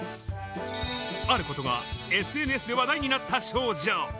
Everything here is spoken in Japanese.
あることがＳＮＳで話題になった少女。